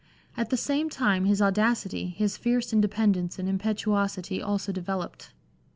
At the same time his audacity, his fierce independence and impetuosity also developed.